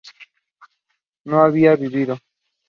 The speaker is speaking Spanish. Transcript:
no habíamos vivido